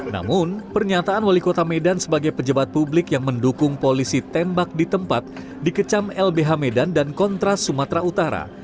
namun pernyataan wali kota medan sebagai pejabat publik yang mendukung polisi tembak di tempat dikecam lbh medan dan kontras sumatera utara